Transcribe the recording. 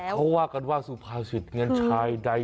เขาว่ากันว่าสุภาษิตเงินชายใด